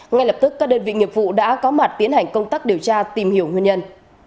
ngay lập tức các đơn vị nghiệp vụ đã có mặt tiến hành công tác điều tra tìm hiểu nguyên nhân